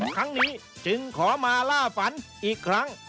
ครั้งนี้จึงขอมาล่าฝันอีกครั้ง